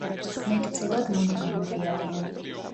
მეტწილად მონოგამები არიან.